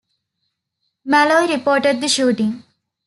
Molloy reported the shooting.